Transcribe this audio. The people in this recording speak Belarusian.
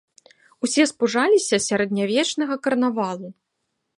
Усе спужаліся сярэднявечнага карнавалу.